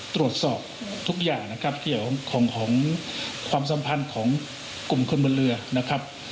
ตรวจสอบทุกอย่างนะครับเกี่ยวของความสัมพันธ์ของกลุ่มคนบนเรือนะครับ